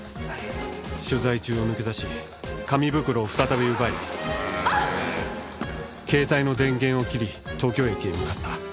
取材中を抜け出し紙袋を再び奪い携帯の電源を切り東京駅へ向かった。